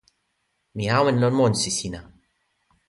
mi awen lon monsi sina.